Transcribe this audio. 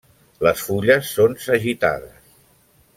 Les fulles són sagitades.